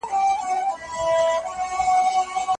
افغان ماشومان په نړیوالو تړونونو کي برخه نه سي اخیستلای.